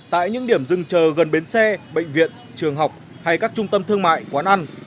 tại những điểm dừng chờ gần bến xe bệnh viện trường học hay các trung tâm thương mại quán ăn